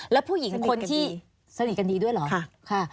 แล้วผู้หญิงคนที่สนิทกันดีด้วยเหรอ